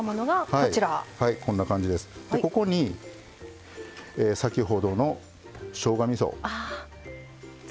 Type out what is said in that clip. ここに、先ほどの、しょうがみそ。